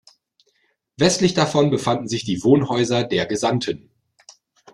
Westlich davon befanden sich die Wohnhäuser der Gesandten.